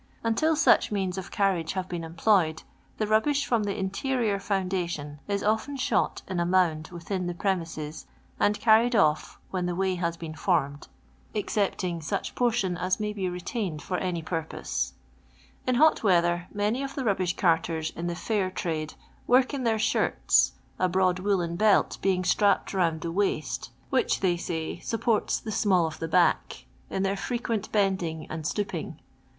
! Until such means of carriage have been employed, I the rubbish from the interior foundation is often I shot in a mound within the premises, and carried ' off when the way has been formed, excepting such \ portion as may be retained for any purpose. In hot weather, many of the rubbish carters in the fisir trade work in their shirts, & broad woollen bslt being strapped rouad the waist» wUcb, they 29^ LONDON LABOUR AND THE LONDON POOR. ny, lupporU "the miEll of the back" in their freqnent^ bending and stooping.